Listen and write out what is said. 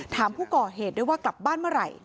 ถามผู้ก่อเหตุด้วยว่ากลับบ้านเมื่อไหร่